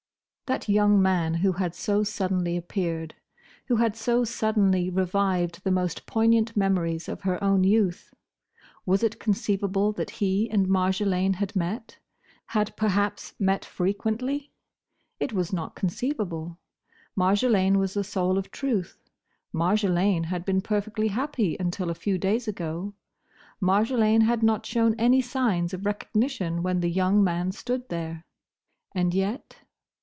That young man who had so suddenly appeared: who had so suddenly revived the most poignant memories of her own youth!—Was it conceivable that he and Marjolaine had met? had perhaps met frequently? It was not conceivable. Marjolaine was the soul of truth. Marjolaine had been perfectly happy until a few days ago. Marjolaine had not shown any signs of recognition when the young man stood there. And yet?